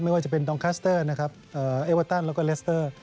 ว่าจะเป็นดองคัสเตอร์นะครับเอเวอร์ตันแล้วก็เลสเตอร์